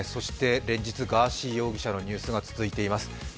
連日ガーシー容疑者のニュースが続いています。